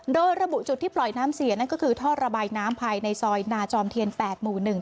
โดยระบุจุดที่ปล่อยน้ำเสียนั่นก็คือท่อระบายน้ำภายในซอยนาจอมเทียน๘หมู่๑